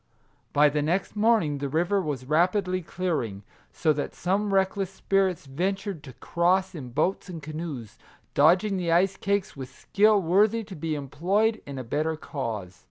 By the next morning the river was rapidly clearing, so that some reckless spirits ventured Our Little Canadian Cousin 123 to cross in boats and canoes, dodging the ice cakes with skill worthy to be employed in a better cause.